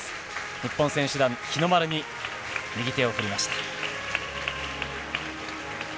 日本選手団、日の丸に右手を振りました。